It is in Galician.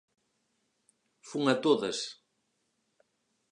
Fun a todas.